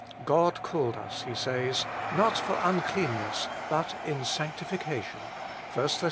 God called us,' he says, 'not for uncleanness, but in sanctification ' (1 Thess.